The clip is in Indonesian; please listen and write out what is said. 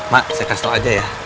mak saya kasih tau aja ya